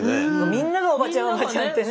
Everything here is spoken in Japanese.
みんなが「おばちゃんおばちゃん」ってね。